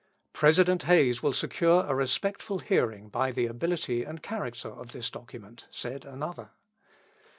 "President Hayes will secure a respectful hearing by the ability and character of this document," said another.